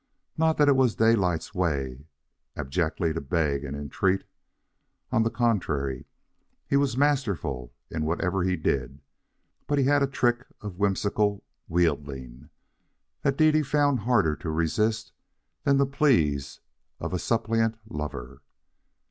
Not that it was Daylight's way abjectly to beg and entreat. On the contrary, he was masterful in whatever he did, but he had a trick of whimsical wheedling that Dede found harder to resist than the pleas of a suppliant lover.